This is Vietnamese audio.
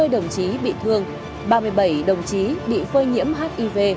ba mươi đồng chí bị thương ba mươi bảy đồng chí bị phơi nhiễm hiv